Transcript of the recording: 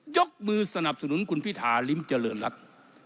ยกมือสนับสนุนคุณพิธาริมเจริญรัฐ